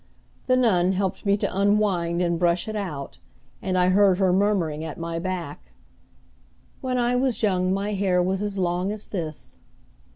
The nun helped me to unwind and brush it out, and I heard her murmuring at my back, "When I was young my hair was as long as this."